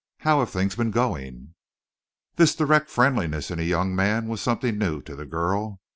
How have things been going?" This direct friendliness in a young man was something new to the girl.